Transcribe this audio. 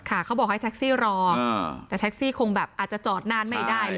เขาบอกให้แท็กซี่รอแต่แท็กซี่คงแบบอาจจะจอดนานไม่ได้เลย